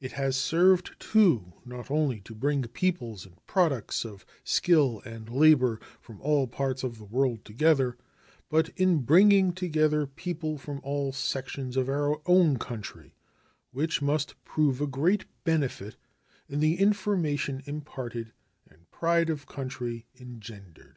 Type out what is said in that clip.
It has served, too, not only to bring peoples and products of skill and labor from all parts of the world together, but in bringing together people from all sections of our own country, which must prove a great benefit in the information imparted and pride of country engendered.